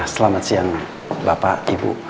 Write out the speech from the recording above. selamat siang bapak ibu